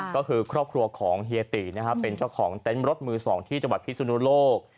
ก็คือครอบครัวของเฮียตีนะครับเป็นเจ้าของเต็นต์รถมือ๒ที่จังหวัดพิสุนุโลก